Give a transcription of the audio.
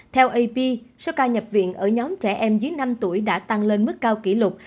theo ap số ca nhập viện ở nhóm trẻ em dưới năm tuổi đã tăng lên mức cao kỷ lục